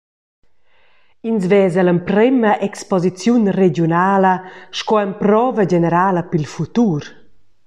Ins vesa l’emprema exposiziun regiunala sco emprova generala pil futur.